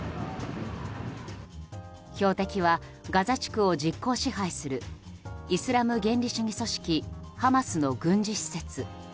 標的はガザ地区を実効支配するイスラム原理主義組織ハマスの軍事施設。